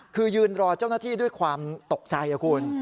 คือยืนรอเจ้าหน้าที่ด้วยความตกใจคุณ